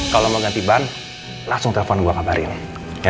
kalau mau ganti ban langsung telepon gue kabarin ya